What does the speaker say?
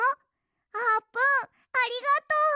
あーぷんありがとう！